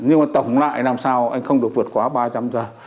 nhưng mà tổng lại làm sao anh không được vượt quá ba trăm linh giờ